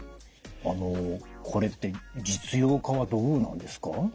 あのこれって実用化はどうなんですか？